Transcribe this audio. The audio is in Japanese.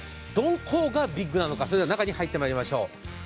どこがビッグなのか、中に入ってまいりましよう。